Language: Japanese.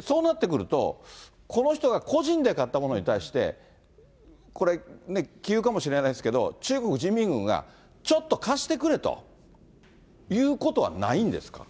そうなってくると、この人が個人で買ったものに対して、これ、杞憂かもしれないですけど、中国人民軍がちょっと貸してくれということはないんですか？